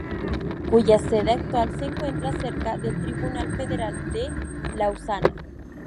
Cuya sede actual se encuentra cerca del Tribunal Federal de Lausana.